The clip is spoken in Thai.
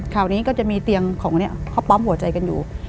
คราวนี้ก็จะมีเตียงของเขาปั๊มหัวใจกันอยู่